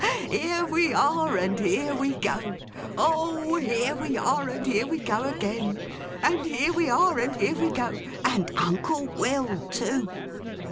Here we are and here we go! O here we are and here we go again! And here we are and here we go! and Uncle Will too!